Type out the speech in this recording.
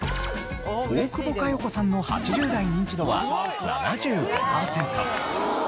大久保佳代子さんの８０代ニンチドは７５パーセント。